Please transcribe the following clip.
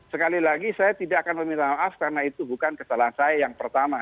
sekali lagi saya tidak akan meminta maaf karena itu bukan kesalahan saya yang pertama